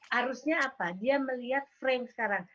harusnya apa dia melihat frank sekarang